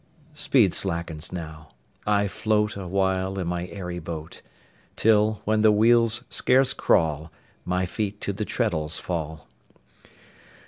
Speed slackens now, I float Awhile in my airy boat; Till, when the wheels scarce crawl, My feet to the treadles fall.